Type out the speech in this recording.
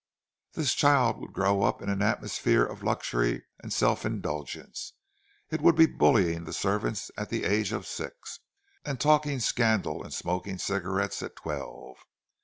This child would grow up in an atmosphere of luxury and self indulgence; it would be bullying the servants at the age of six, and talking scandal and smoking cigarettes at twelve.